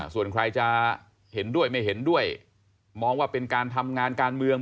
ส่วนใครจะเห็นด้วยไม่เห็นด้วยมองว่าเป็นการทำงานการเมือง